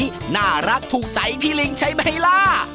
น่ารักถูกใจพี่ลิงใช่ไหมล่ะ